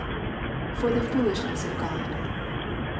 For the foolishness of God.